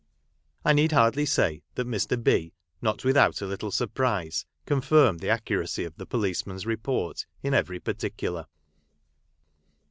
I need hardly say, that Mr. B., not without a little surprise, confirmed the accuracy of the policeman's report in every particular.